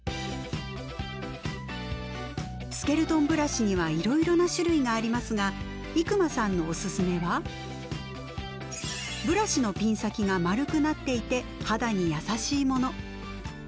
スケルトンブラシにはいろいろな種類がありますが伊熊さんのおすすめはブラシのピン先が丸くなっていて肌に優しいもの。